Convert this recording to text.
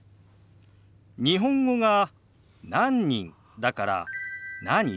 日本語が「何人」だから「何？」